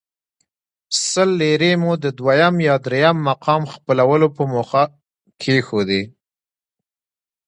سل لیرې مو د دویم یا درېیم مقام خپلولو په موخه کېښودې.